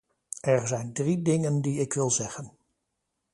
Er zijn drie dingen die ik wil zeggen.